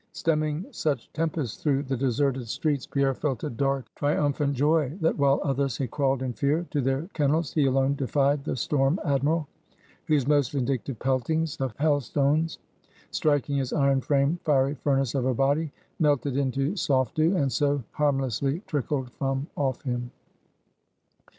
Stemming such tempests through the deserted streets, Pierre felt a dark, triumphant joy; that while others had crawled in fear to their kennels, he alone defied the storm admiral, whose most vindictive peltings of hail stones, striking his iron framed fiery furnace of a body, melted into soft dew, and so, harmlessly trickled from off him.